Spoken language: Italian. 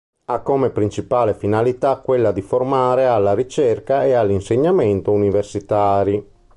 Ha come principale finalità quella di formare alla ricerca e all'insegnamento universitari.